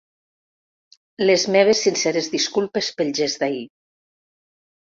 Les meves sinceres disculpes pel gest d’ahir.